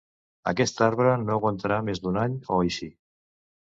Aquest arbre no aguantarà més d'un any o així.